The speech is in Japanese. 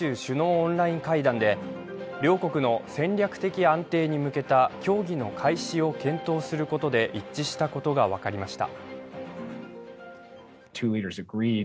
オンライン会談で両国の戦略的安定に向けた協議の開始を検討することで一致したことが分かりました。